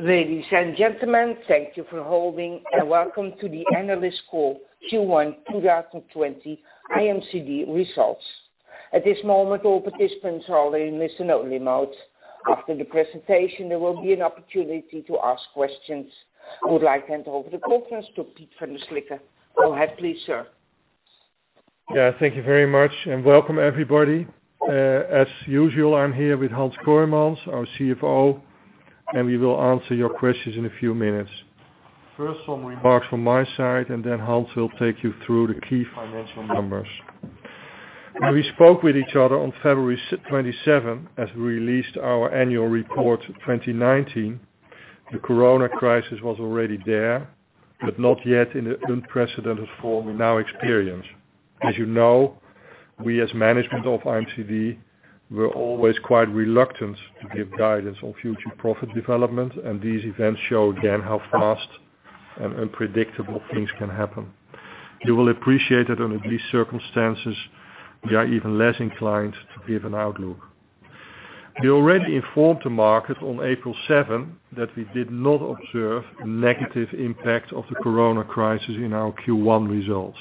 Ladies and gentlemen, thank you for holding, and welcome to the analyst call Q1 2020 IMCD results. At this moment, all participants are in listen-only mode. After the presentation, there will be an opportunity to ask questions. I would like to hand over the conference to Piet van der Slikke. Go ahead please, sir. Yeah, thank you very much, and welcome everybody. As usual, I'm here with Hans Kooijmans, our CFO, and we will answer your questions in a few minutes. First, some remarks from my side, and then Hans will take you through the key financial numbers. We spoke with each other on February 27, as we released our annual report 2019. The COVID-19 crisis was already there, but not yet in the unprecedented form we now experience. As you know, we as management of IMCD were always quite reluctant to give guidance on future profit development, and these events show again how fast and unpredictable things can happen. You will appreciate that under these circumstances, we are even less inclined to give an outlook. We already informed the market on April 7 that we did not observe negative impact of the COVID-19 crisis in our Q1 results.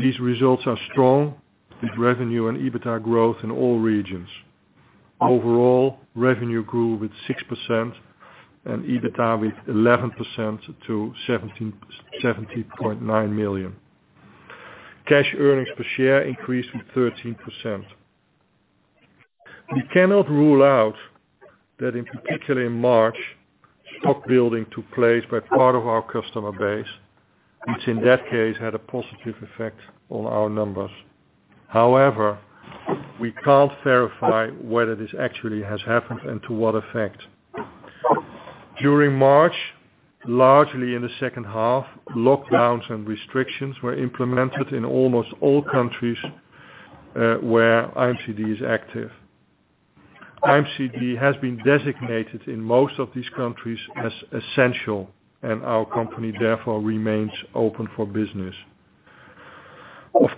These results are strong, with revenue and EBITDA growth in all regions. Overall, revenue grew with 6% and EBITDA with 11% to 70.9 million. Cash earnings per share increased with 13%. We cannot rule out that in particularly in March, stock-building took place by part of our customer base, which in that case had a positive effect on our numbers. We can't verify whether this actually has happened and to what effect. During March, largely in the second half, lockdowns and restrictions were implemented in almost all countries where IMCD is active. IMCD has been designated in most of these countries as essential, our company therefore remains open for business.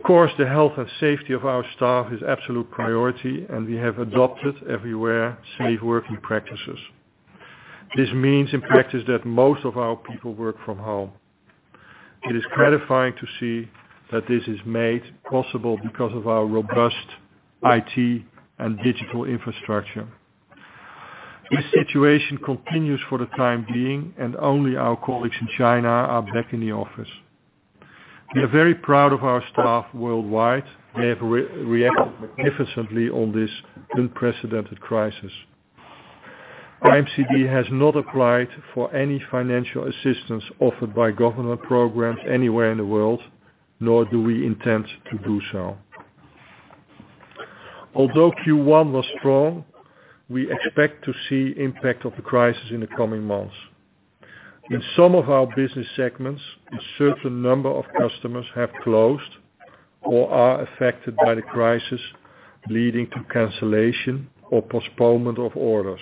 Of course, the health and safety of our staff is absolute priority, we have adopted everywhere safe working practices. This means in practice that most of our people work from home. It is gratifying to see that this is made possible because of our robust IT and digital infrastructure. This situation continues for the time being, and only our colleagues in China are back in the office. We are very proud of our staff worldwide. They have reacted magnificently on this unprecedented crisis. IMCD has not applied for any financial assistance offered by government programs anywhere in the world, nor do we intend to do so. Although Q1 was strong, we expect to see impact of the crisis in the coming months. In some of our business segments, a certain number of customers have closed or are affected by the crisis, leading to cancellation or postponement of orders.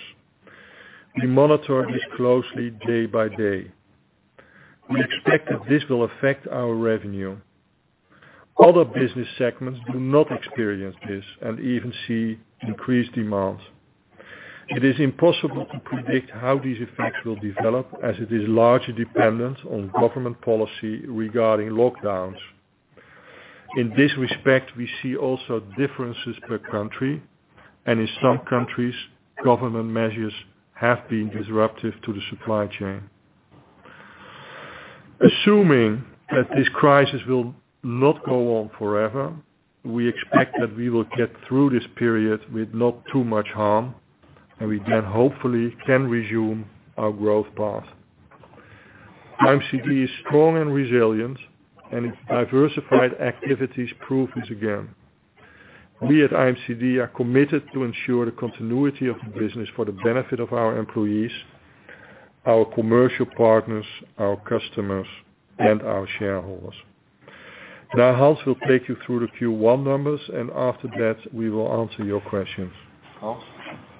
We monitor this closely day by day. We expect that this will affect our revenue. Other business segments do not experience this and even see increased demand. It is impossible to predict how these effects will develop, as it is largely dependent on government policy regarding lockdowns. In this respect, we see also differences per country, and in some countries, government measures have been disruptive to the supply chain. Assuming that this crisis will not go on forever, we expect that we will get through this period with not too much harm, and we then hopefully can resume our growth path. IMCD is strong and resilient, and its diversified activities prove this again. We at IMCD are committed to ensure the continuity of the business for the benefit of our employees, our commercial partners, our customers, and our shareholders. Hans will take you through the Q1 numbers, and after that, we will answer your questions. Hans?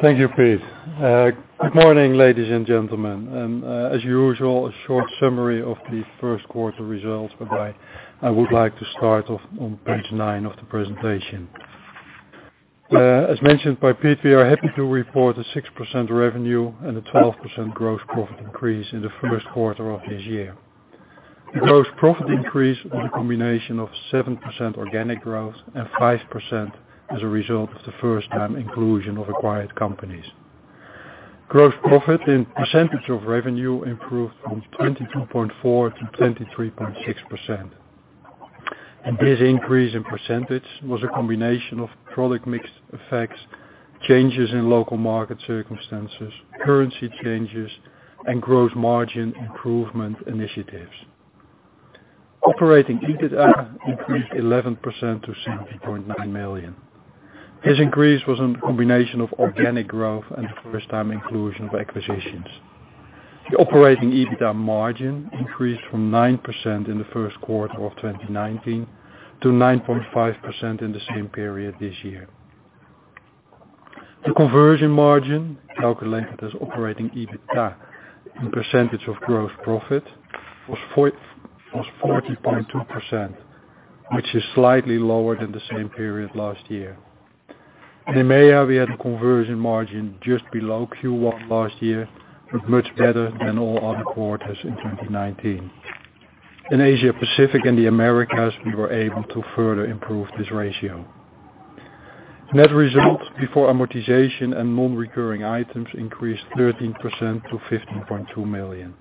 Thank you, Piet. Good morning, ladies and gentlemen. As usual, a short summary of the first quarter results whereby I would like to start off on page nine of the presentation. As mentioned by Piet, we are happy to report a 6% revenue and a 12% gross profit increase in the first quarter of this year. The gross profit increase was a combination of 7% organic growth and 5% as a result of the first-time inclusion of acquired companies. Gross profit in percentage of revenue improved from 22.4% to 23.6%. This increase in percentage was a combination of product mix effects, changes in local market circumstances, currency changes, and gross margin improvement initiatives. Operating EBITDA increased 11% to 70.9 million. This increase was a combination of organic growth and first-time inclusion of acquisitions. The operating EBITDA margin increased from 9% in the first quarter of 2019 to 9.5% in the same period this year. The conversion margin, calculated as operating EBITDA in percentage of gross profit, was 40.2%, which is slightly lower than the same period last year. In EMEA, we had a conversion margin just below Q1 last year, but much better than all other quarters in 2019. In Asia Pacific and the Americas, we were able to further improve this ratio. Net results before amortization and non-recurring items increased 13% to 15.2 million.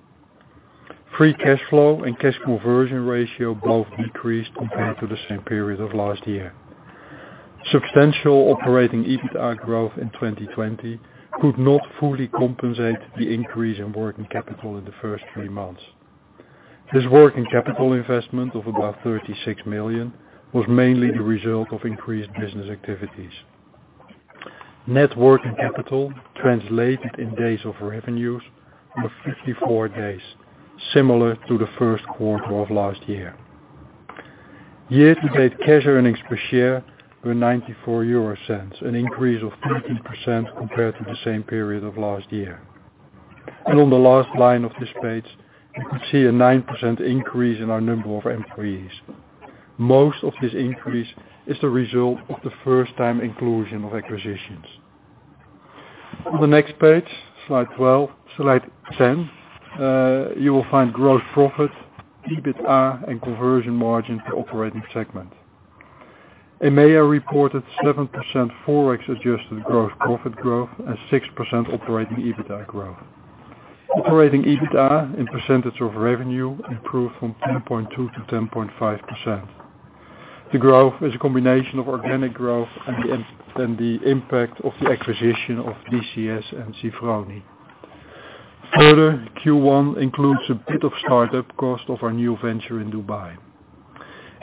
Free cash flow and cash conversion ratio both decreased compared to the same period of last year. Substantial operating EBITDA growth in 2020 could not fully compensate the increase in working capital in the first three months. This working capital investment of above 36 million was mainly the result of increased business activities. Net working capital translated in days of revenues was 54 days, similar to the first quarter of last year. Year-to-date cash earnings per share were 0.94, an increase of 13% compared to the same period of last year. On the last line of this page, you could see a 9% increase in our number of employees. Most of this increase is the result of the first-time inclusion of acquisitions. On the next page, slide 10, you will find gross profit, EBITDA, and conversion margin per operating segment. EMEA reported 7% Forex adjusted gross profit growth and 6% operating EBITDA growth. Operating EBITDA in percentage of revenue improved from 10.2% to 10.5%. The growth is a combination of organic growth and the impact of the acquisition of DCS and Zifroni. Further, Q1 includes a bit of start-up cost of our new venture in Dubai.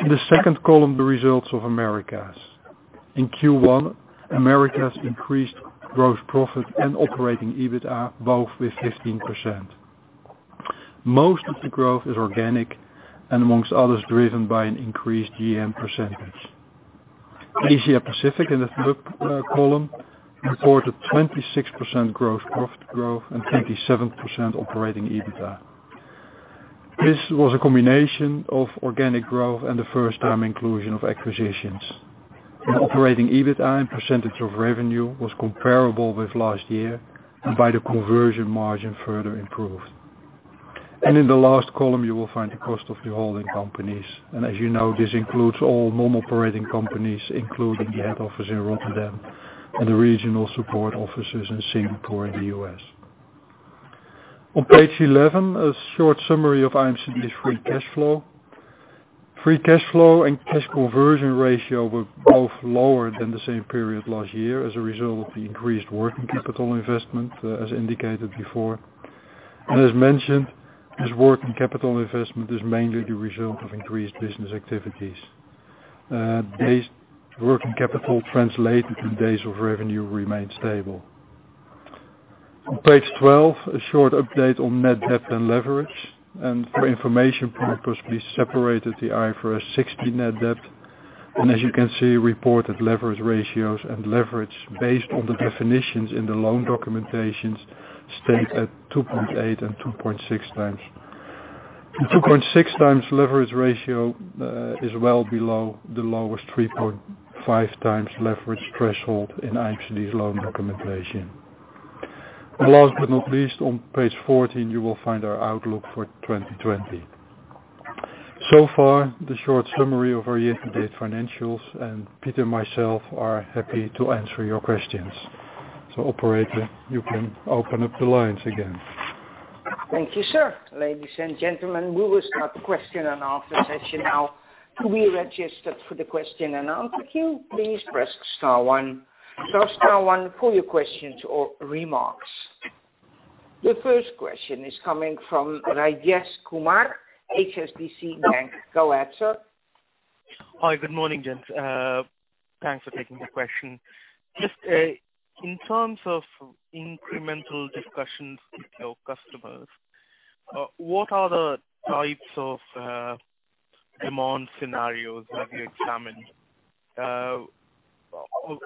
In the second column, the results of Americas. In Q1, Americas increased gross profit and operating EBITDA both with 15%. Most of the growth is organic and amongst others, driven by an increased GM percentage. Asia Pacific in the third column, reported 26% gross profit growth and 27% operating EBITDA. This was a combination of organic growth and the first-time inclusion of acquisitions. Operating EBITDA in percentage of revenue was comparable with last year and by the conversion margin further improved. In the last column, you will find the cost of the holding companies. As you know, this includes all non-operating companies, including the head office in Rotterdam and the regional support offices in Singapore and the U.S. On page 11, a short summary of IMCD's free cash flow. Free cash flow and cash conversion ratio were both lower than the same period last year as a result of the increased working capital investment, as indicated before. As mentioned, this working capital investment is mainly the result of increased business activities. Working capital translated in days of revenue remained stable. On page 12, a short update on net debt and leverage, and for information purposes, we separated the IFRS 16 net debt. As you can see, reported leverage ratios and leverage based on the definitions in the loan documentations stayed at 2.8x and 2.6x. The 2.6x leverage ratio is well below the lowest 3.5 times leverage threshold in IMCD's loan documentation. Last but not least, on page 14, you will find our outlook for 2020. So far, the short summary of our year-to-date financials and Piet and myself are happy to answer your questions. Operator, you can open up the lines again. Thank you, sir. Ladies and gentlemen, we will start the question and answer session now. To be registered for the question and answer queue, please press star one. Press star one for your questions or remarks. The first question is coming from Rajesh Kumar, HSBC Bank. Go ahead, sir. Hi. Good morning, gents. Thanks for taking the question. Just in terms of incremental discussions with your customers, what are the types of demand scenarios have you examined?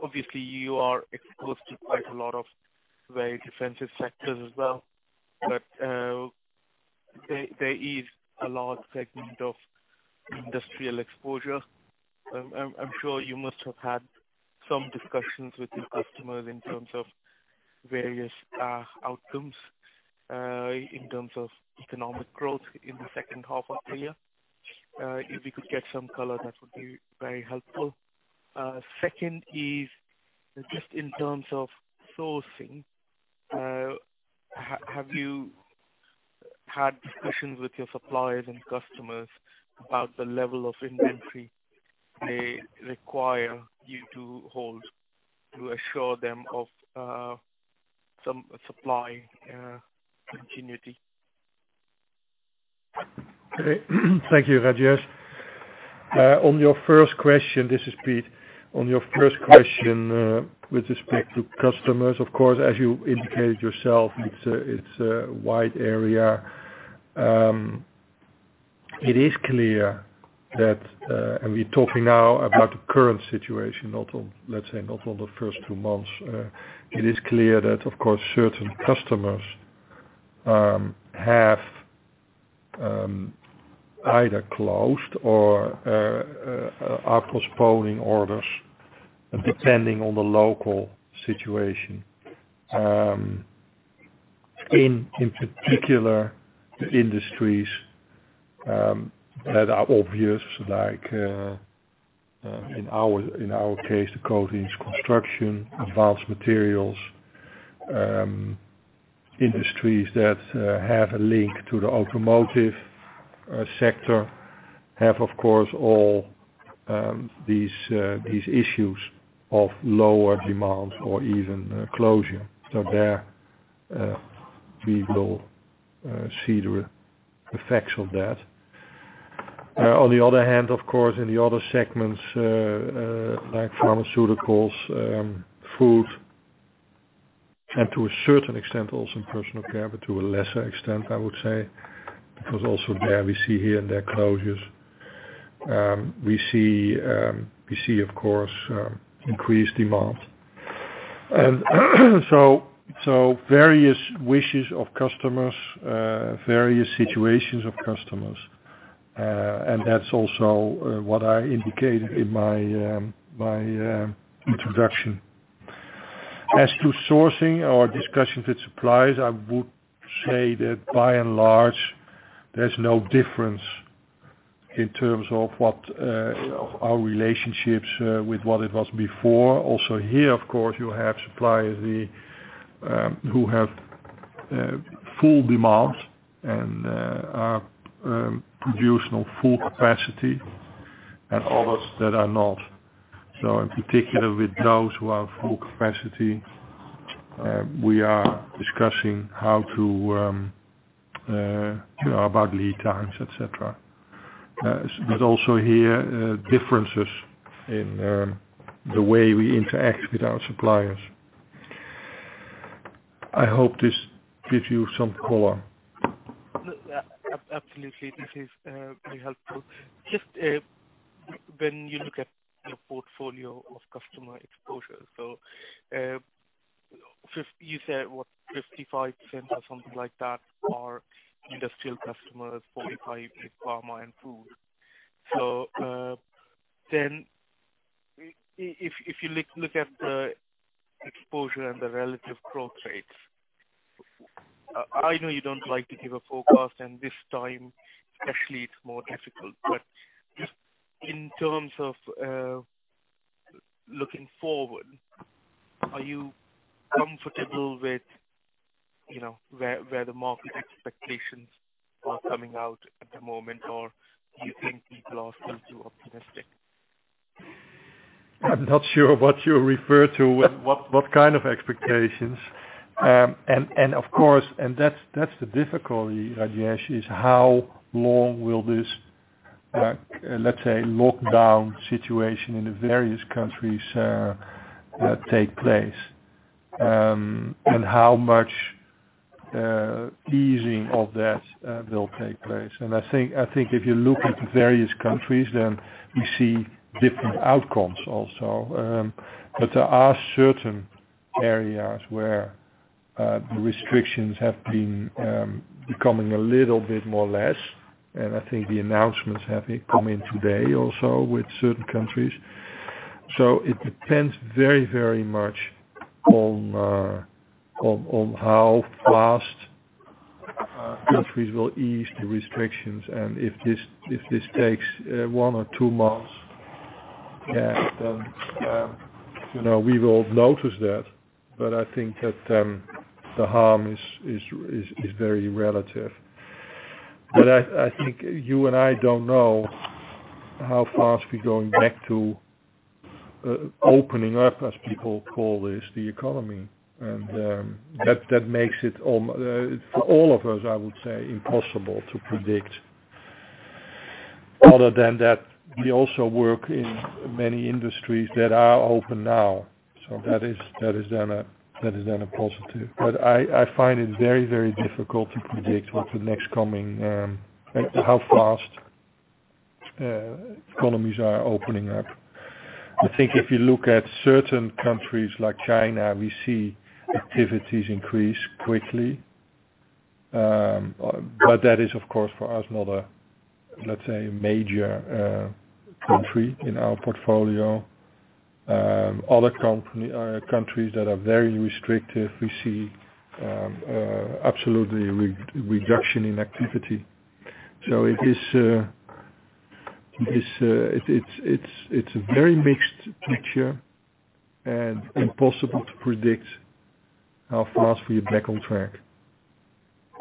Obviously, you are exposed to quite a lot of very defensive sectors as well, but there is a large segment of industrial exposure. I'm sure you must have had some discussions with your customers in terms of various outcomes, in terms of economic growth in the second half of the year. If we could get some color, that would be very helpful. Second is, just in terms of sourcing, have you had discussions with your suppliers and customers about the level of inventory they require you to hold to assure them of some supply continuity? Okay. Thank you, Rajesh. This is Piet. On your first question, with respect to customers, of course, as you indicated yourself, it's a wide area. It is clear that, and we're talking now about the current situation, let's say, not on the first two months. It is clear that of course, certain customers have either closed or are postponing orders depending on the local situation. In particular, industries that are obvious, like in our case, the coatings, construction, advanced materials, industries that have a link to the automotive sector have, of course, all these issues of lower demand or even closure. There, we will see the effects of that. On the other hand, of course, in the other segments, like pharmaceuticals, food, and to a certain extent also personal care, but to a lesser extent, I would say, because also there, we see here and there closures. We see, of course, increased demand. Various wishes of customers, various situations of customers, and that's also what I indicated in my introduction. As to sourcing or discussions with suppliers, I would say that by and large, there's no difference in terms of our relationships with what it was before. Also here, of course, you have suppliers who have full demands and are producing on full capacity and others that are not. In particular, with those who have full capacity, we are discussing about lead times, et cetera. There's also here, differences in the way we interact with our suppliers. I hope this gives you some color. Absolutely. This is very helpful. Just when you look at your portfolio of customer exposure. You said, what, 55% or something like that are industrial customers, 45 are pharma and food. If you look at the exposure and the relative growth rates, I know you don't like to give a forecast, and this time, especially, it's more difficult, but just in terms of looking forward, are you comfortable with where the market expectations are coming out at the moment, or do you think people are still too optimistic? I'm not sure what you refer to, what kind of expectations. Of course, and that's the difficulty, Rajesh, is how long will this, let's say, lockdown situation in the various countries take place? How much easing of that will take place. I think if you look at the various countries, then you see different outcomes also. There are certain areas where the restrictions have been becoming a little bit more less, and I think the announcements have come in today also with certain countries. It depends very much on how fast countries will ease the restrictions, and if this takes one or two months, then we will notice that. I think that the harm is very relative. I think you and I don't know how fast we're going back to opening up, as people call this, the economy. That makes it, for all of us, I would say, impossible to predict. Other than that, we also work in many industries that are open now, so that is then a positive. I find it very, very difficult to predict how fast economies are opening up. I think if you look at certain countries like China, we see activities increase quickly. That is, of course, for us, not a, let's say, major country in our portfolio. Other countries that are very restrictive, we see absolutely reduction in activity. It's a very mixed picture and impossible to predict how fast we're back on track.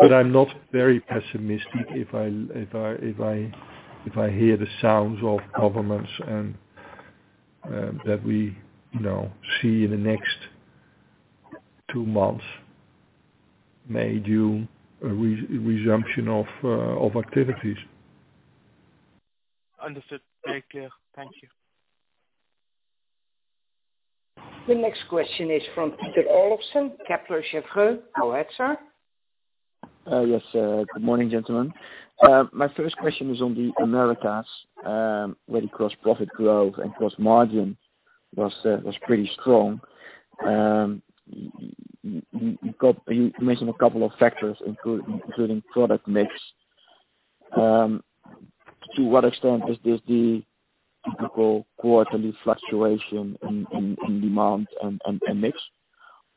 I'm not very pessimistic if I hear the sounds of governments and that we see in the next two months may do a resumption of activities. Understood. Very clear. Thank you. The next question is from Peter Olofsen, Kepler Cheuvreux, OXR. Yes. Good morning, gentlemen. My first question is on the Americas, where you gross profit growth and gross margin was pretty strong. You mentioned a couple of factors, including product mix. To what extent is this the typical quarterly fluctuation in demand and mix,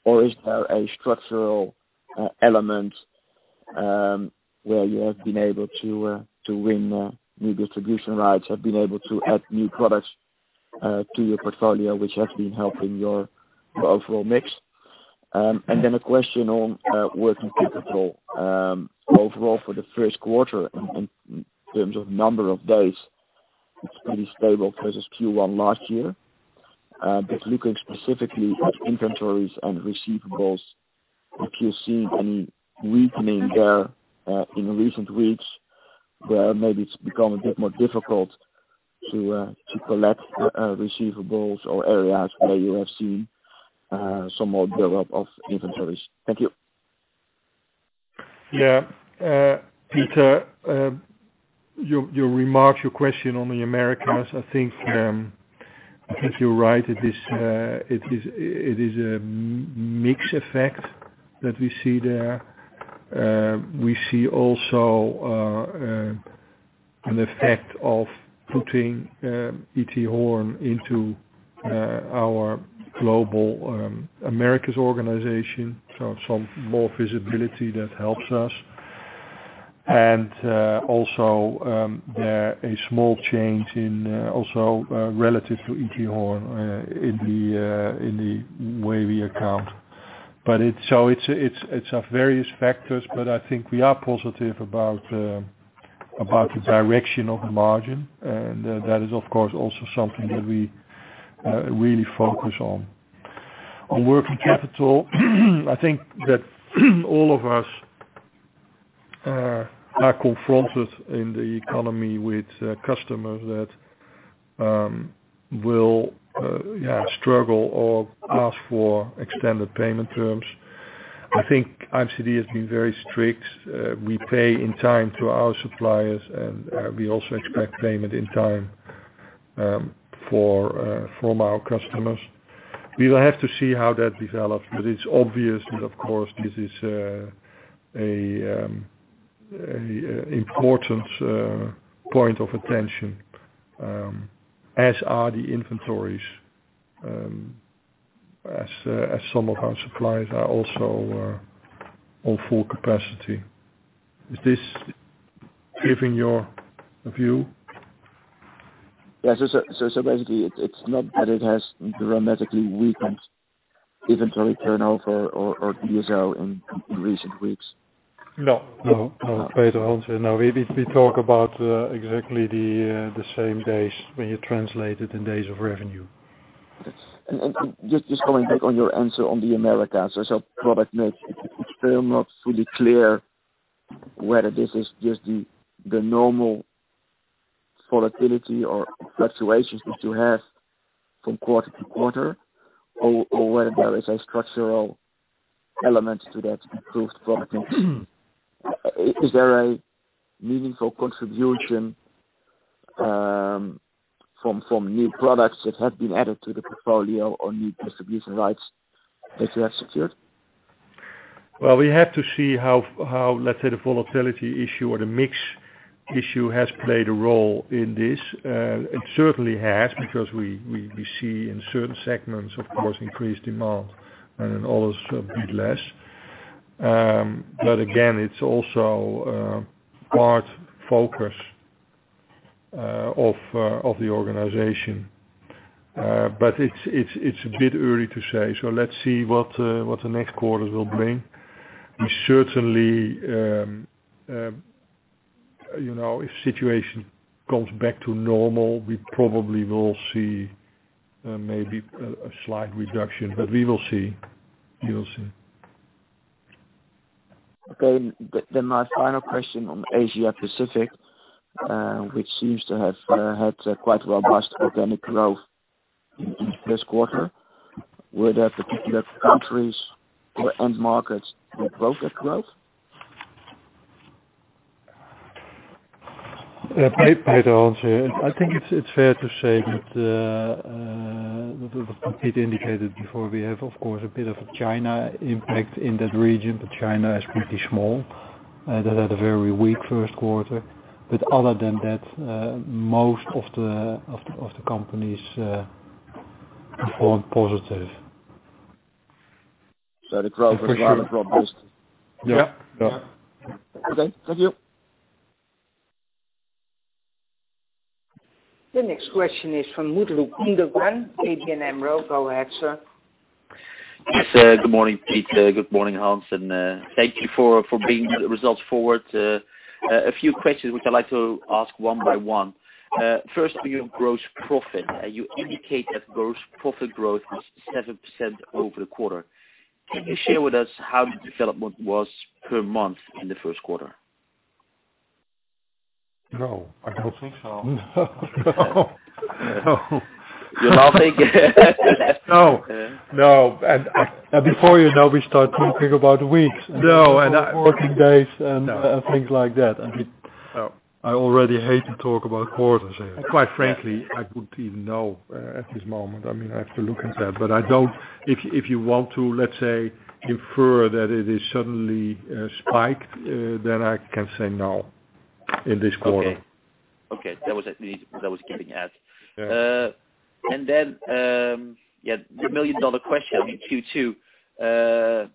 or is there a structural element where you have been able to win new distribution rights, have been able to add new products to your portfolio, which have been helping your overall mix? A question on working capital. Overall, for the first quarter, in terms of number of days, it's pretty stable versus Q1 last year. Looking specifically at inventories and receivables, if you see any weakening there in recent weeks, where maybe it's become a bit more difficult to collect receivables or areas where you have seen some more build-up of inventories. Thank you. Yeah. Peter, your question on the Americas, I think you're right. It is a mix effect that we see there. We see also an effect of putting E.T. Horn into our global Americas organization, so some more visibility that helps us. Also, a small change in also relative to E.T. Horn, in the way we account. It's of various factors, but I think we are positive about the direction of the margin. That is, of course, also something that we really focus on. On working capital, I think that all of us are confronted in the economy with customers that will struggle or ask for extended payment terms. I think IMCD has been very strict. We pay in time to our suppliers, and we also expect payment in time from our customers. We will have to see how that develops, but it's obvious that, of course, this is a important point of attention, as are the inventories, as some of our suppliers are also on full capacity. Is this giving you a view? Yeah. basically, it's not that it has dramatically weakened inventory turnover or DSO in recent weeks? No. Peter, Hans here. No, we talk about exactly the same days when you translate it in days of revenue. Just going back on your answer on the Americas. Product mix, it's still not fully clear whether this is just the normal volatility or fluctuations which you have from quarter to quarter, or whether there is a structural element to that improved product mix. Is there a meaningful contribution from new products that have been added to the portfolio or new distribution rights that you have secured? We have to see how, let's say, the volatility issue or the mix issue has played a role in this. It certainly has, because we see in certain segments, of course, increased demand, and in others, a bit less. Again, it's also part focus of the organization. It's a bit early to say. Let's see what the next quarters will bring. Certainly, if situation comes back to normal, we probably will see maybe a slight reduction, but we will see. Okay. My final question on Asia Pacific, which seems to have had quite a robust organic growth in this first quarter. Were there particular countries or end markets that drove that growth? Peter, Hans here. I think it's fair to say that, as Piet indicated before, we have, of course, a bit of a China impact in that region, but China is pretty small. That had a very weak first quarter. Other than that, most of the companies performed positive. The growth was well and robust. Yeah. Okay. Thank you. The next question is from Mutlu Gundogan, ABN AMRO. Go ahead, sir. Yes. Good morning, Piet. Good morning, Hans, and thank you for bringing the results forward. A few questions which I'd like to ask one by one. First, on your gross profit. You indicate that gross profit growth was 7% over the quarter. Can you share with us how the development was per month in the first quarter? No. I don't think so. No. You're laughing. No. Before you know, we start talking about weeks. No. Working days and things like that. I already hate to talk about quarters here. Quite frankly, I wouldn't even know at this moment. I have to look into that. If you want to, let's say, infer that it has suddenly spiked, then I can say no, in this quarter. Okay. That was getting at. Yeah. The million-dollar question in Q2.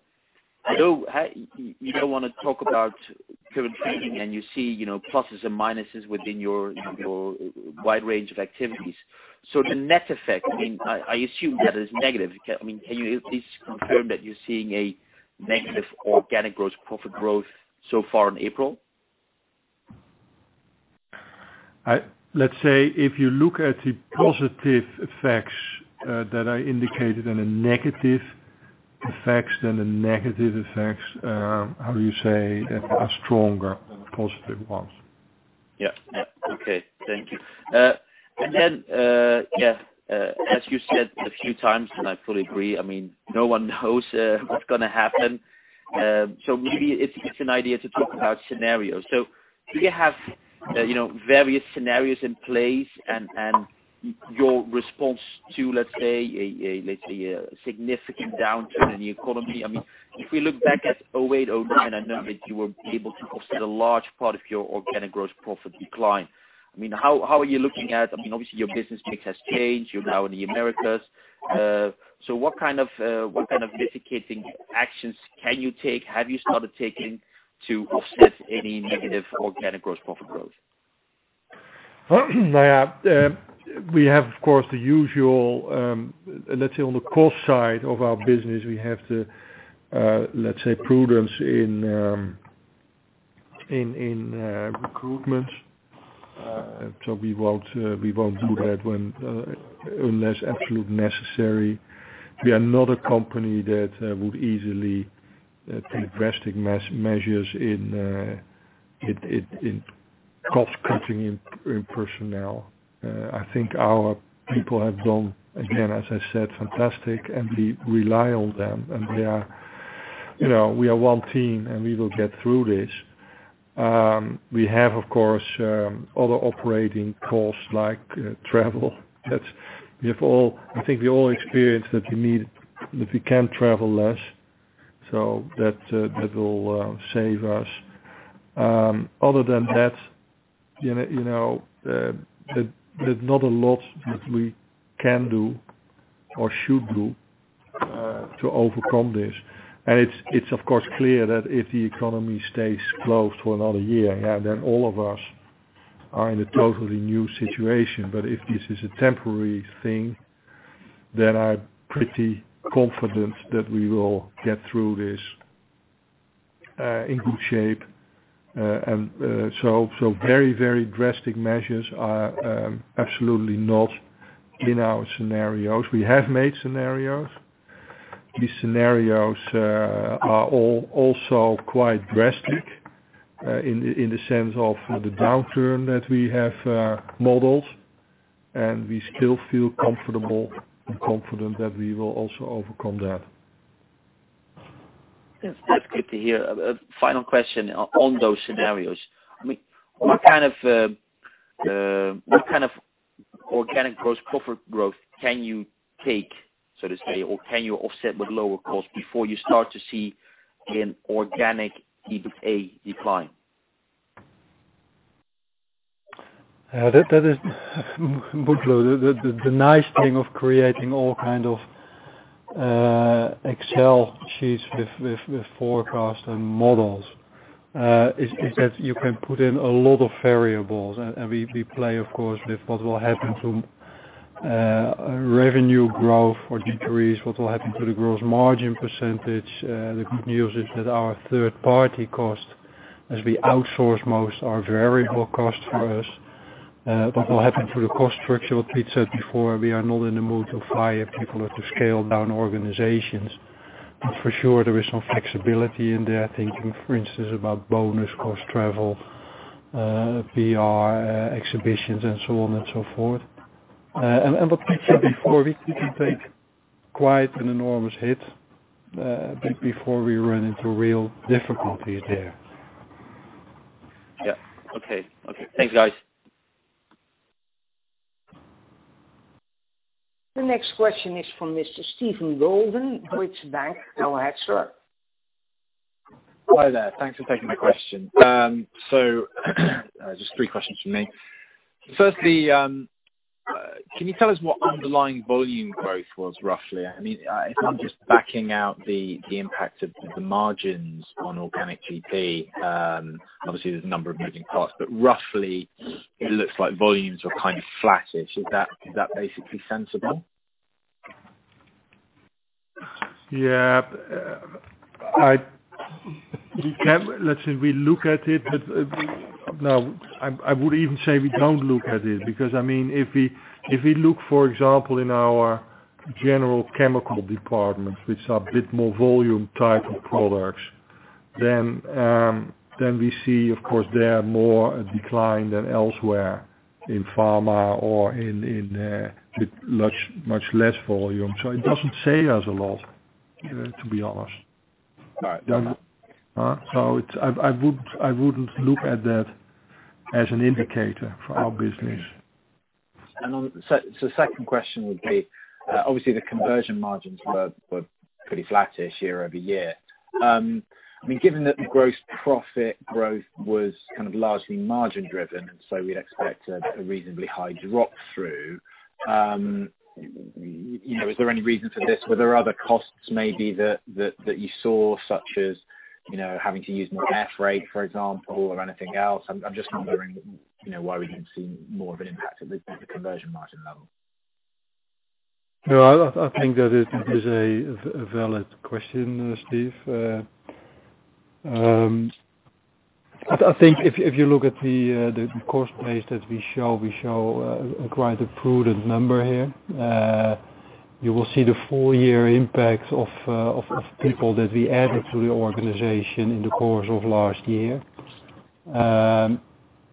You don't want to talk about current trading, and you see pluses and minuses within your wide range of activities. The net effect, I assume that is negative. Can you at least confirm that you're seeing a negative organic gross profit growth so far in April? Let's say, if you look at the positive effects that I indicated and the negative effects, then the negative effects, how do you say, are stronger than the positive ones. Yeah. Okay. Thank you. As you said a few times, and I fully agree, no one knows what's going to happen. Maybe it's an idea to talk about scenarios. Do you have various scenarios in place and your response to, let's say, a significant downturn in the economy? If we look back at 2008, 2009, I know that you were able to offset a large part of your organic gross profit decline. How are you looking at? Obviously, your business mix has changed. You're now in the Americas. What kind of mitigating actions can you take, have you started taking, to offset any negative organic gross profit growth? We have, of course, the usual, let's say on the cost side of our business, we have the prudence in recruitment. We won't do that unless absolute necessary. We are not a company that would easily take drastic measures in cost cutting in personnel. I think our people have done, again, as I said, fantastic, and we rely on them, and we are one team, and we will get through this. We have, of course, other operating costs like travel. I think we all experience that if you can travel less, so that will save us. Other than that, there's not a lot that we can do or should do to overcome this. It's of course clear that if the economy stays closed for another year, then all of us are in a totally new situation. If this is a temporary thing, then I'm pretty confident that we will get through this in good shape. Very, very drastic measures are absolutely not in our scenarios. We have made scenarios. These scenarios are also quite drastic in the sense of the downturn that we have modeled, and we still feel comfortable and confident that we will also overcome that. That's good to hear. A final question on those scenarios. What kind of organic gross profit growth can you take, so to say? Can you offset with lower cost before you start to see an organic EBITDA decline? That is the nice thing of creating all kind of Excel sheets with forecast and models, is that you can put in a lot of variables, and we play, of course, with what will happen to revenue growth or decrease, what will happen to the gross margin percentage. The good news is that our third-party cost, as we outsource most, are variable cost for us. What will happen to the cost structure? What we said before, we are not in the mood to fire people or to scale down organizations. For sure, there is some flexibility in there, thinking, for instance, about bonus cost, travel, PR, exhibitions, and so on and so forth. What we said before, we can take quite an enormous hit before we run into real difficulty there. Yeah. Okay. Thanks, guys. The next question is from Mr. Steven Golden, Deutsche Bank. Go ahead, sir. Hi there. Thanks for taking my question. Just three questions from me. Firstly, can you tell us what underlying volume growth was, roughly? If I'm just backing out the impact of the margins on organic GP, obviously, there's a number of moving parts, but roughly, it looks like volumes are kind of flattish. Is that basically sensible? Yeah. Let's say we look at it. No, I would even say we don't look at it, because if we look, for example, in our general chemical departments, which are a bit more volume type of products, then we see, of course, there more a decline than elsewhere in pharma or in much less volume. It doesn't say us a lot, to be honest. Right. I wouldn't look at that as an indicator for our business. Second question would be, obviously the conversion margins were pretty flattish year-over-year. Given that the gross profit growth was largely margin-driven, we'd expect a reasonably high drop through. Is there any reason for this? Were there other costs maybe that you saw, such as, having to use more freight rate, for example, or anything else? I'm just wondering, why we didn't see more of an impact at the conversion margin level? No, I think that is a valid question, Steve. I think if you look at the cost base that we show, we show quite a prudent number here. You will see the full year impacts of people that we added to the organization in the course of last year.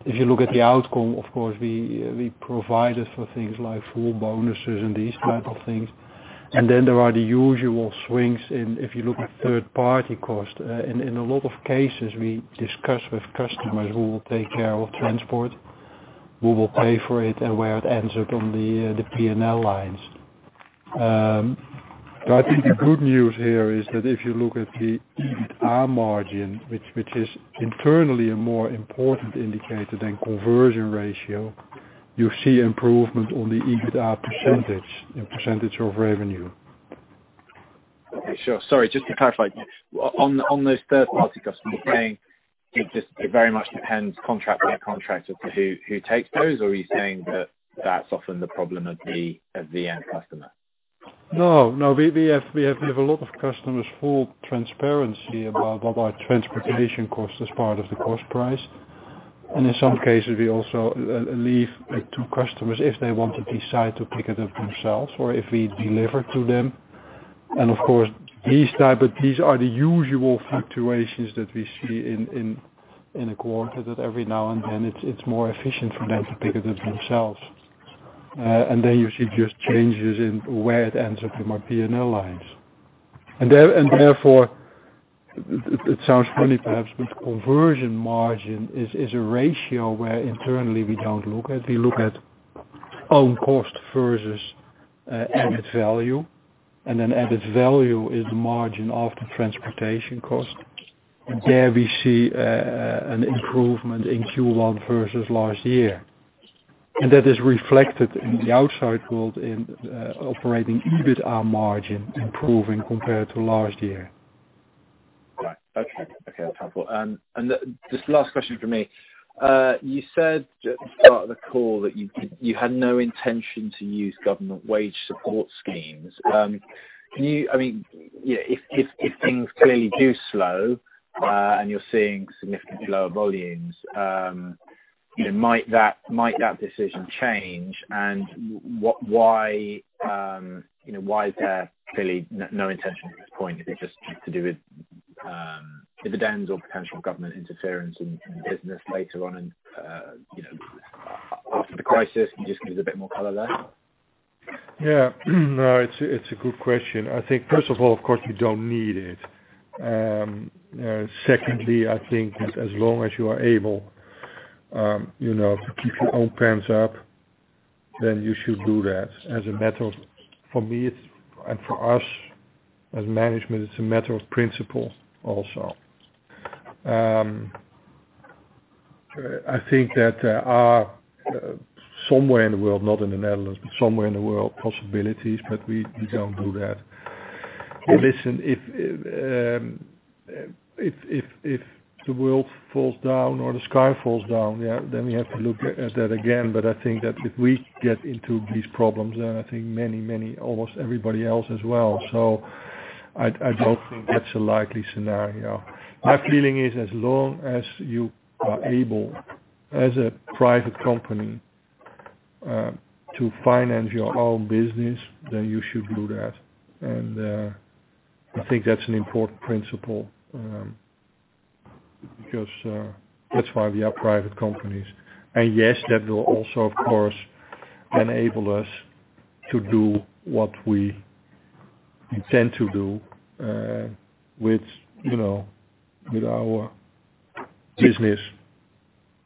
If you look at the outcome, of course, we provided for things like full bonuses and these types of things. Then there are the usual swings if you look at third-party cost. In a lot of cases, we discuss with customers who will take care of transport, who will pay for it and where it ends up on the P&L lines. I think the good news here is that if you look at the EBITDA margin, which is internally a more important indicator than conversion ratio, you see improvement on the EBITDA percentage, in percentage of revenue. Okay. Sure. Sorry, just to clarify. On those third-party customers, you're saying it very much depends contract by contract as to who takes those, or are you saying that that's often the problem of the end customer? No. We have a lot of customers, full transparency about our transportation costs as part of the cost price. In some cases, we also leave it to customers if they want to decide to pick it up themselves or if we deliver to them. Of course, these are the usual fluctuations that we see in a quarter, that every now and then it's more efficient for them to pick it up themselves. You see just changes in where it ends up in our P&L lines. It sounds funny perhaps, but conversion margin is a ratio where internally we don't look at. We look at own cost versus added value, added value is the margin after transportation cost. There we see an improvement in Q1 versus last year. That is reflected in the outside world in operating EBITDA margin improving compared to last year. Right. Okay. That's helpful. This last question from me. You said at the start of the call that you had no intention to use government wage support schemes. If things clearly do slow and you're seeing significantly lower volumes, might that decision change and why is there clearly no intention at this point? Is it just to do with dividends or potential government interference in business later on after the crisis? Can you just give us a bit more color there? Yeah. It's a good question. I think first of all, of course, we don't need it. Secondly, I think that as long as you are able to keep your own pants up, then you should do that as a matter of, for me and for us as management, it's a matter of principle also. I think that there are, somewhere in the world, not in the Netherlands, but somewhere in the world, possibilities, but we don't do that. Listen, if the world falls down or the sky falls down, then we have to look at that again. I think that if we get into these problems, then I think many, almost everybody else as well. I don't think that's a likely scenario. My feeling is as long as you are able, as a private company, to finance your own business, then you should do that. I think that's an important principle, because that's why we are private companies. Yes, that will also, of course, enable us to do what we intend to do with our business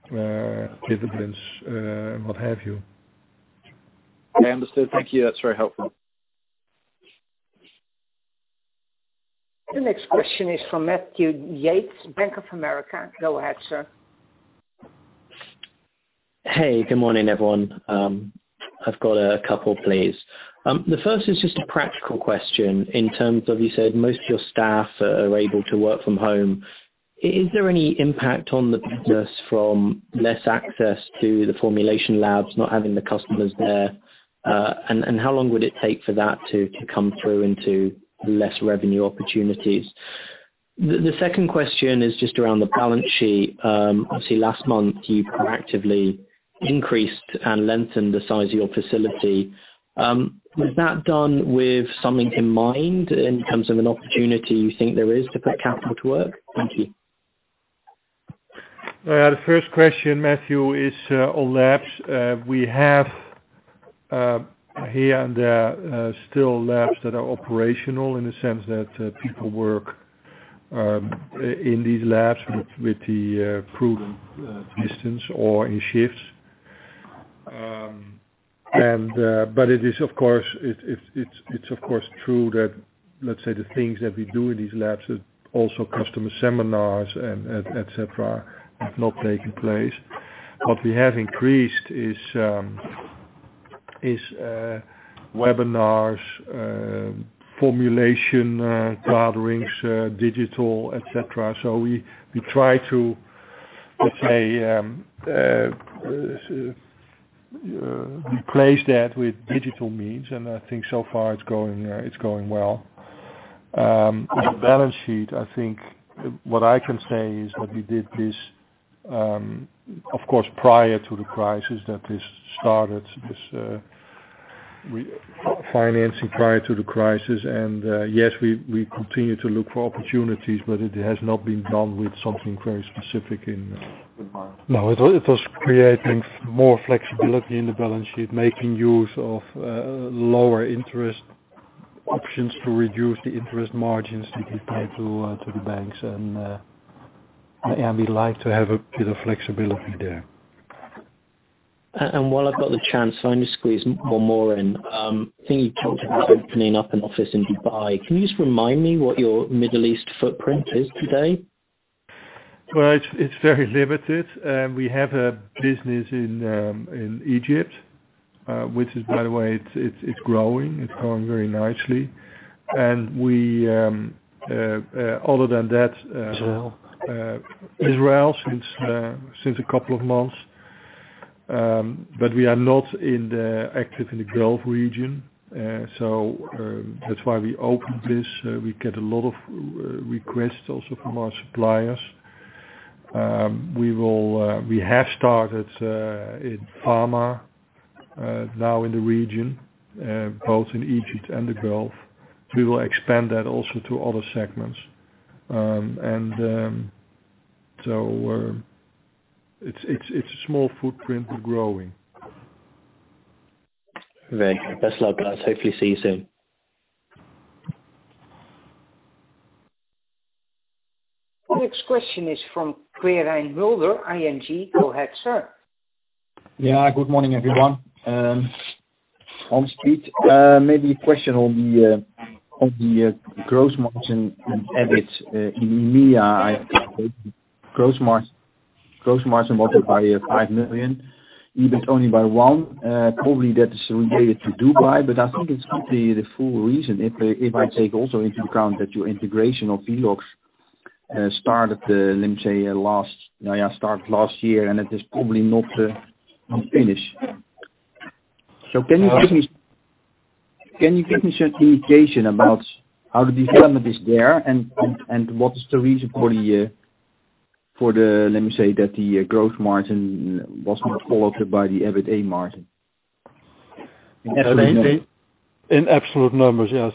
dividends and what have you. I understood. Thank you. That's very helpful. The next question is from Matthew Yates, Bank of America. Go ahead, sir. Hey, good morning, everyone. I've got a couple, please. The first is just a practical question in terms of, you said most of your staff are able to work from home. Is there any impact on the business from less access to the formulation labs not having the customers there? How long would it take for that to come through into less revenue opportunities? The second question is just around the balance sheet. Obviously, last month, you proactively increased and lengthened the size of your facility. Was that done with something in mind in terms of an opportunity you think there is to put capital to work? Thank you. The first question, Matthew, is on labs. We have, here and there, still labs that are operational in the sense that people work in these labs with the prudent distance or in shifts. It's of course true that, let's say the things that we do in these labs is also customer seminars and et cetera, have not taken place. What we have increased is webinars, formulation gatherings, digital, et cetera. We try to, let's say, replace that with digital means, and I think so far it's going well. On the balance sheet, I think what I can say is that we did this, of course, prior to the crisis, that this started this financing prior to the crisis. Yes, we continue to look for opportunities, but it has not been done with something very specific in mind. No, it was creating more flexibility in the balance sheet, making use of lower interest options to reduce the interest margins that we pay to the banks. We like to have a bit of flexibility there. While I've got the chance, can I just squeeze one more in? I think you talked about opening up an office in Dubai. Can you just remind me what your Middle East footprint is today? Well, it's very limited. We have a business in Egypt, which is, by the way, it's growing. It's growing very nicely. Israel. Israel, since a couple of months. We are not active in the Gulf region. That's why we opened this. We get a lot of requests also from our suppliers. We have started in pharma, now in the region, both in Egypt and the Gulf. We will expand that also to other segments. It's a small footprint. We're growing. Very. Best of luck, guys. Hopefully see you soon. Next question is from Quirijn Mulder, ING. Go ahead, sir. Good morning, everyone. On street. Maybe a question on the gross margin and EBITDA. In EMEA, I calculate gross margin multiply 5 million, EBITDA only by 1 million. Probably that is related to Dubai, but I think it's completely the full reason if I take also into account that your integration of Velox started, let me say, last year, and it is probably not finished. Can you give me some indication about how the development is there and what is the reason for the, let me say that the gross margin was not followed by the EBITDA margin. In absolute numbers, yeah.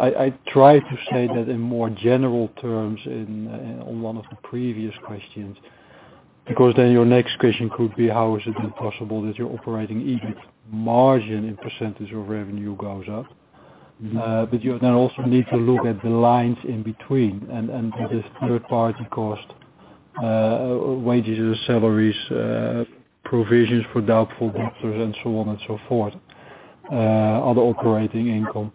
I tried to say that in more general terms on one of the previous questions. Because then your next question could be, how is it then possible that your operating EBIT margin in percentage of revenue goes up? You then also need to look at the lines in between and this third party cost, wages, salaries, provisions for doubtful debts and so on and so forth, other operating income.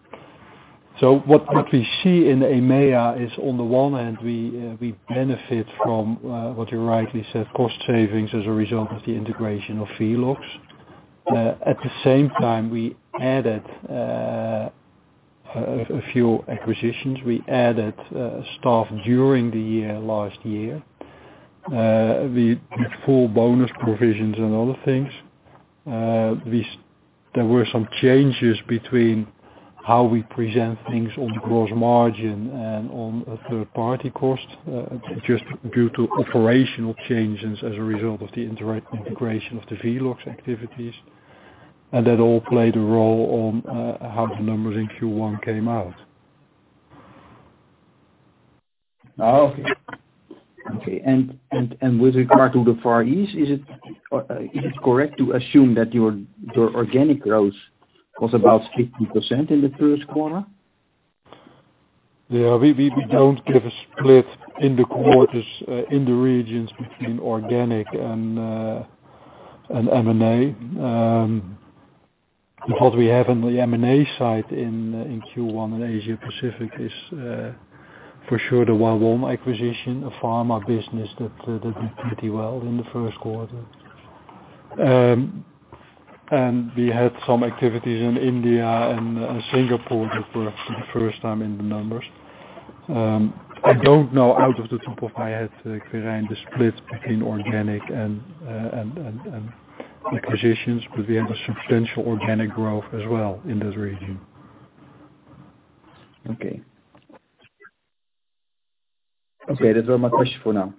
What we see in EMEA is on the one hand, we benefit from, what you rightly said, cost savings as a result of the integration of Velox. At the same time, we added a few acquisitions. We added staff during the year, last year. We took full bonus provisions on other things. There were some changes between how we present things on gross margin and on a third-party cost, just due to operational changes as a result of the integration of the Velox activities. That all played a role on how the numbers in Q1 came out. Okay. With regard to the Far East, is it correct to assume that your organic growth was about 50% in the first quarter? Yeah, we don't give a split in the quarters in the regions between organic and M&A. We have in the M&A side in Q1 in Asia-Pacific is, for sure the Whawon acquisition, a pharma business that did pretty well in the first quarter. We had some activities in India and Singapore that were for the first time in the numbers. I don't know out of the top of my head, Quirijn, the split between organic and acquisitions, but we have a substantial organic growth as well in this region. Okay. Okay, that's all my questions for now.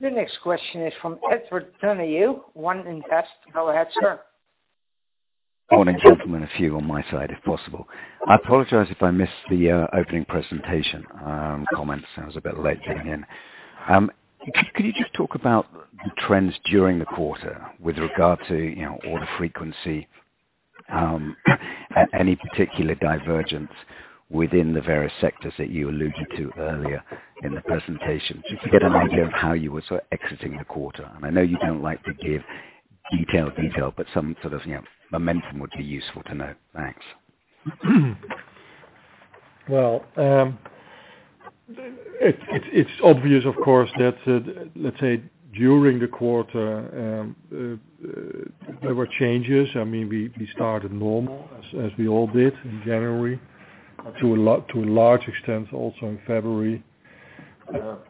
The next question is from Edward Tenney, One Invest. Go ahead, sir. I want to jump in with you on my side if possible. I apologize if I missed the opening presentation comment. Sounds a bit late getting in. Could you just talk about trends during the quarter with regard to order frequency, any particular divergence within the various sectors that you alluded to earlier in the presentation, just to get an idea of how you were exiting the quarter? I know you don't like to give detailed detail, but some sort of momentum would be useful to know. Thanks. It's obvious, of course, that, let's say, during the quarter, there were changes. We started normal, as we all did in January. To a large extent, also in February,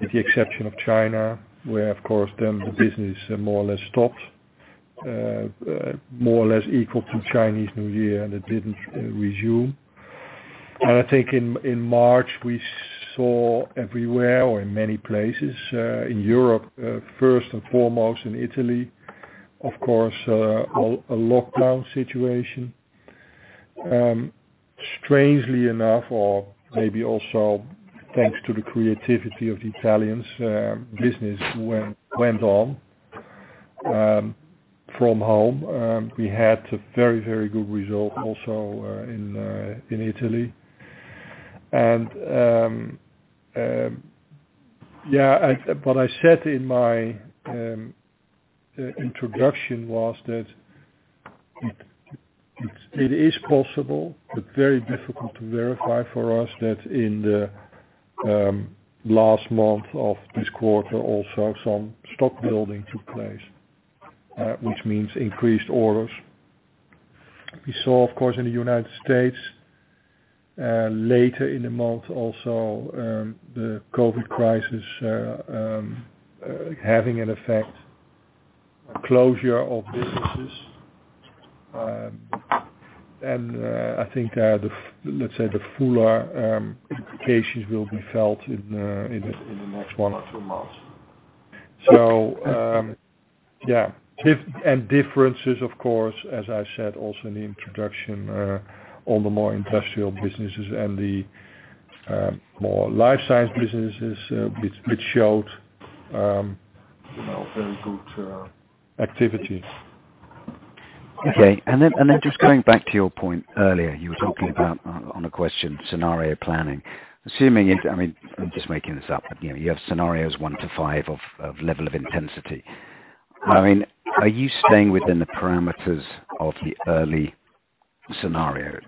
with the exception of China, where, of course, then the business more or less stopped, more or less equal to Chinese New Year, and it didn't resume. I think in March, we saw everywhere or in many places, in Europe, first and foremost in Italy, of course, a lockdown situation. Strangely enough, or maybe also thanks to the creativity of the Italians, business went on from home. We had a very, very good result also in Italy. What I said in my introduction was that it is possible, but very difficult to verify for us, that in the last month of this quarter also, some stock building took place, which means increased orders. We saw, of course, in the U.S., later in the month also, the COVID crisis having an effect. Closure of businesses. I think, let's say the fuller implications will be felt in the next one or two months. Yeah. Differences, of course, as I said, also in the introduction, all the more industrial businesses and the more life sciences businesses, which showed very good activities. Okay. Just going back to your point earlier, you were talking about on a question, scenario planning. Assuming, I'm just making this up, you have scenarios one to five of level of intensity. Are you staying within the parameters of the early scenarios,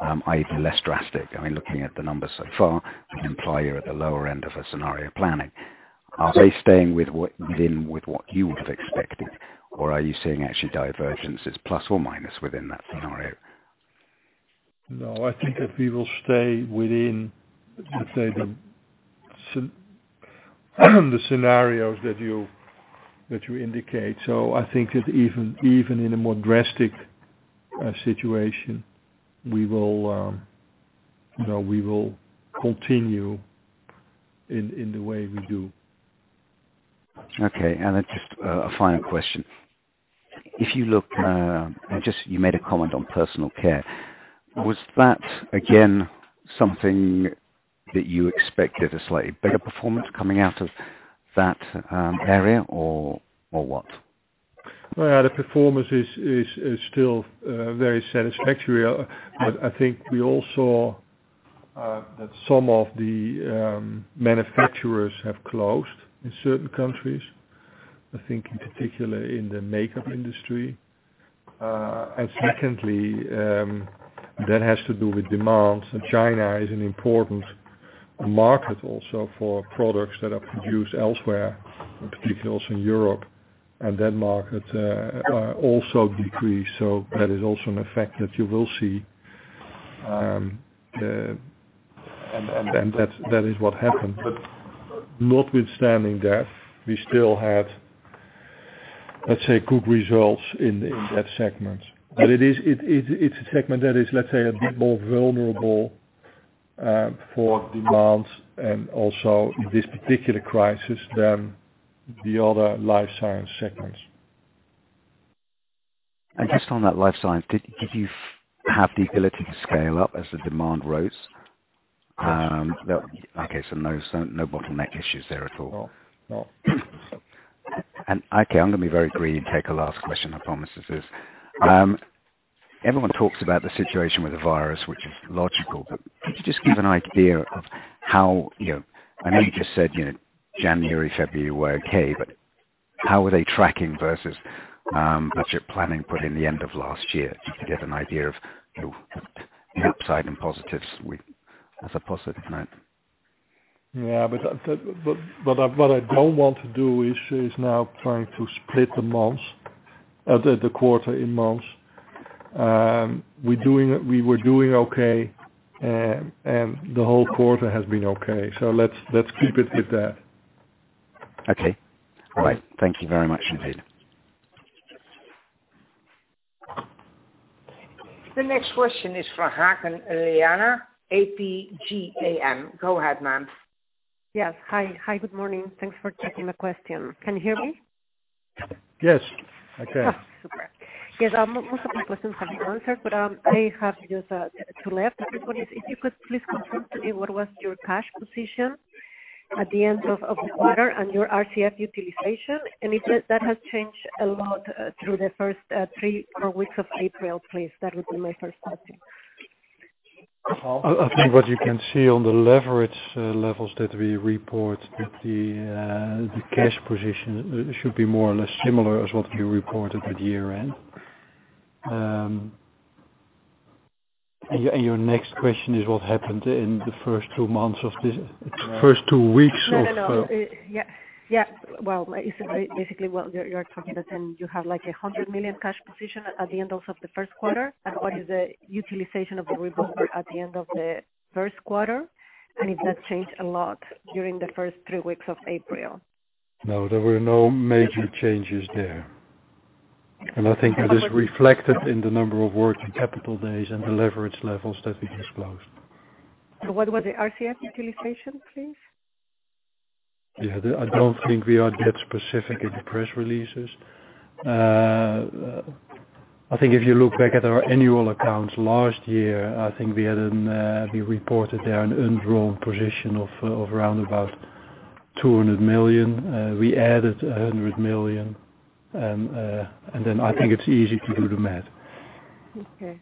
i.e., less drastic? Looking at the numbers so far would imply you're at the lower end of a scenario planning. Are they staying within with what you would have expected, or are you seeing actually divergences, plus or minus within that scenario? No, I think that we will stay within, let's say, the scenarios that you indicate. I think that even in a more drastic situation, we will continue in the way we do. Okay. Then just a final question. You made a comment on personal care. Was that, again, something that you expected a slightly bigger performance coming out of that area or what? Well, the performance is still very satisfactory. I think we all saw that some of the manufacturers have closed in certain countries, I think in particular in the makeup industry. Secondly, that has to do with demands, and China is an important market also for products that are produced elsewhere, in particular also in Europe. That market also decreased. That is also an effect that you will see. That is what happened. Notwithstanding that, we still had, let's say, good results in that segment. It's a segment that is, let's say, a bit more vulnerable for demands and also this particular crisis than the other life science segments. Just on that life science, did you have the ability to scale up as the demand rose? Yes. Okay, no bottleneck issues there at all. No. Okay, I'm going to be very greedy and take a last question, I promise this is. Everyone talks about the situation with the virus, which is logical, but could you just give an idea of how I know you just said January, February were okay, but how are they tracking versus what you're planning put in the end of last year? Just to get an idea of the upside and positives as a positive note. Yeah. What I don't want to do is now trying to split the quarter in months. We were doing okay, and the whole quarter has been okay. Let's keep it with that. Okay. Right. Thank you very much indeed. The next question is from Hakan Eliana, APG AM. Go ahead, ma'am. Yes. Hi. Good morning. Thanks for taking the question. Can you hear me? Yes, I can. Super. Yes, most of my questions have been answered, but I have just two left. The first one is, if you could please confirm to me what was your cash position at the end of the quarter and your RCF utilization, and if that has changed a lot through the first three or four weeks of April, please. That would be my first question. I think what you can see on the leverage levels that we report, that the cash position should be more or less similar as what we reported at year-end. Your next question is what happened in the first two weeks of- No. Well, basically what you're talking about then, you have a 100 million cash position at the end of the first quarter, and what is the utilization of the revolver at the end of the first quarter? If that changed a lot during the first three weeks of April. No, there were no major changes there. I think that is reflected in the number of working capital days and the leverage levels that we disclosed. What was the RCF utilization, please? Yeah. I don't think we are that specific in the press releases. I think if you look back at our annual accounts last year, I think we reported there an undrawn position of around about 200 million. We added 100 million, and then I think it's easy to do the math. Okay.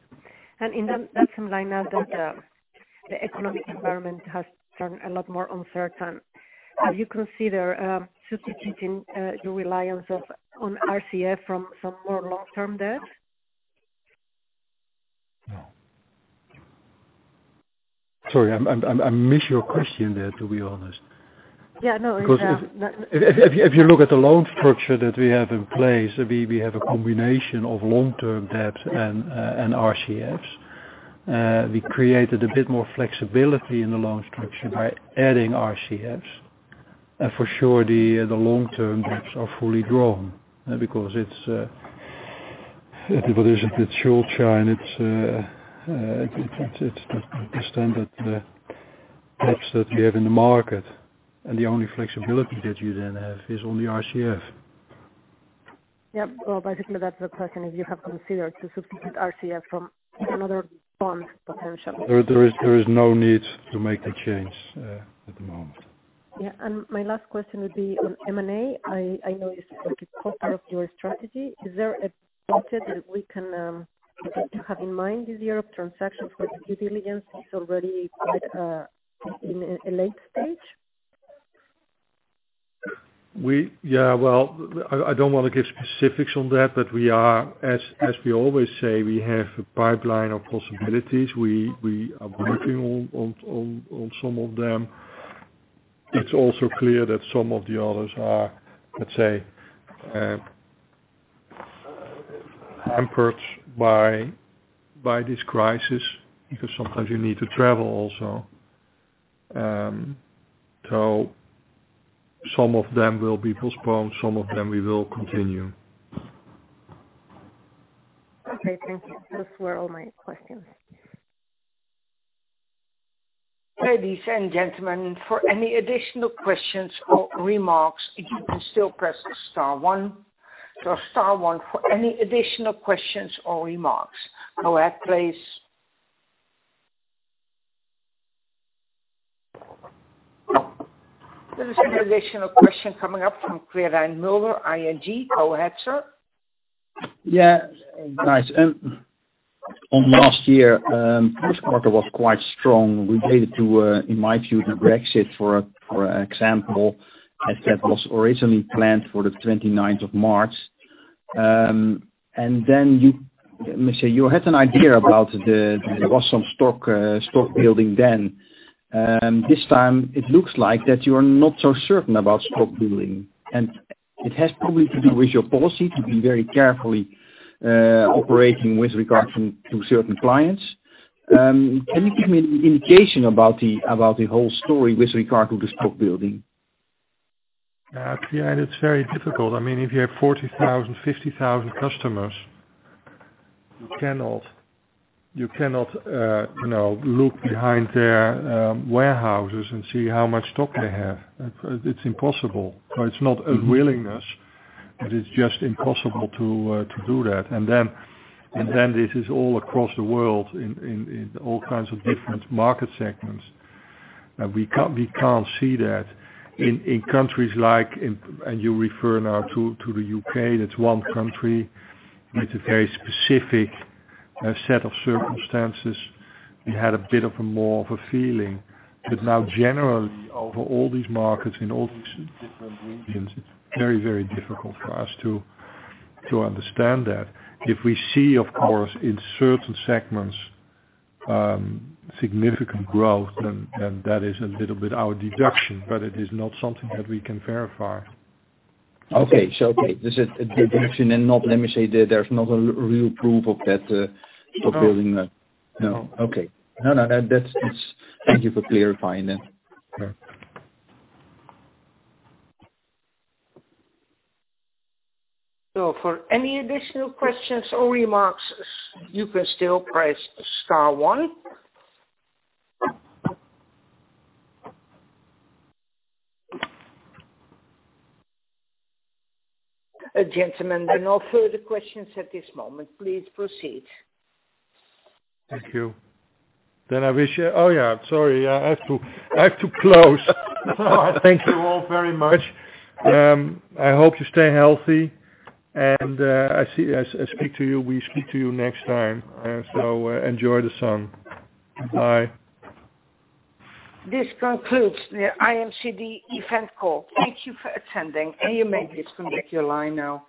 In that same line, now that the economic environment has turned a lot more uncertain, have you considered substituting your reliance on RCF for some more long-term debt? Sorry, I missed your question there, to be honest. Yeah, no. If you look at the loan structure that we have in place, we have a combination of long-term debt and RCFs. We created a bit more flexibility in the loan structure by adding RCFs. For sure, the long-term debts are fully drawn, because it's shorter and it's the standard debts that you have in the market. The only flexibility that you then have is on the RCF. Yep. Well, basically, that's the question, if you have considered to substitute RCF for another bond potential. There is no need to make the change at the moment. Yeah. My last question would be on M&A. I know it's part of your strategy. Is there a project that we can have in mind this year, a transaction where due diligence is already in a late stage? Yeah. Well, I don't want to give specifics on that, but as we always say, we have a pipeline of possibilities. We are working on some of them. It's also clear that some of the others are, let's say, hampered by this crisis, because sometimes you need to travel also. Some of them will be postponed, some of them we will continue. Okay, thank you. Those were all my questions. Ladies and gentlemen, for any additional questions or remarks, you can still press star one. Star one for any additional questions or remarks. Go ahead, please. There is an additional question coming up from Quirijn Mulder, ING. Go ahead, sir. Yeah. Guys, on last year, first quarter was quite strong related to, in my view, the Brexit, for example, as that was originally planned for the 29th of March. Let me say, you had an idea about there was some stock building then. This time it looks like that you are not so certain about stock building. It has probably to do with your policy to be very carefully operating with regard to certain clients. Can you give me an indication about the whole story with regard to the stock building? It's very difficult. If you have 40,000, 50,000 customers, you cannot look behind their warehouses and see how much stock they have. It's impossible. It's not unwillingness, but it's just impossible to do that. This is all across the world in all kinds of different market segments. We can't see that. In countries like, you refer now to the U.K., that's one country with a very specific set of circumstances. We had a bit of a more of a feeling. Now generally, over all these markets in all these different regions, it's very, very difficult for us to understand that. If we see, of course, in certain segments, significant growth, that is a little bit our deduction, but it is not something that we can verify. Okay. This is a deduction and not, let me say, there's not a real proof of that stock building then. No. Okay. No, thank you for clarifying that. Yeah. For any additional questions or remarks, you can still press star one. Gentlemen, there are no further questions at this moment. Please proceed. Thank you. I wish you. Oh, yeah. Sorry. I have to close. Thank you all very much. I hope you stay healthy, and we speak to you next time. Enjoy the summer. Bye. This concludes the IMCD event call. Thank you for attending. You may disconnect your line now.